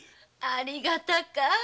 ありがたか